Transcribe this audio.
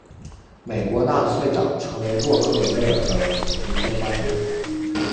美国纳粹党成为洛克威尔的组织接班人。